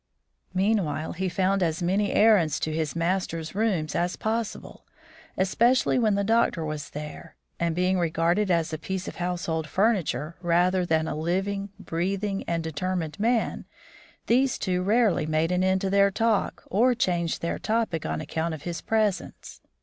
Meanwhile, he found as many errands to his master's rooms as possible, especially when the doctor was there; and, being regarded as a piece of household furniture rather than a living, breathing, and determined man, these two rarely made an end to their talk or changed their topic on account of his presence.